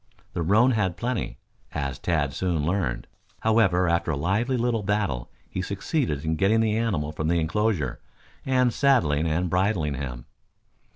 The roan had plenty, as Tad soon learned. However, after a lively little battle he succeeded in getting the animal from the enclosure and saddling and bridling him.